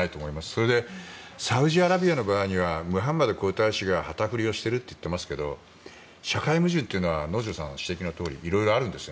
それでサウジアラビアの場合にはムハンマド皇太子が旗振りをしていると言っていますが社会矛盾というのは能條さんご指摘のとおり色々あるんです。